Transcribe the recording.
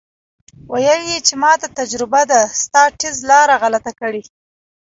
ویل یې چې ماته تجربه ده ستا ټیز لاره غلطه کړې.